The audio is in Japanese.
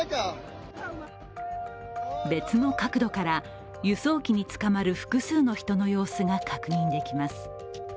別の角度から輸送機につかまる複数の人の様子が確認できます。